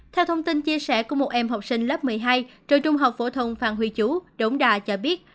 theo thông tin chia sẻ của một em học sinh lớp một mươi hai trường trung học phổ thùng phan huy chủ đỗng đa cho biết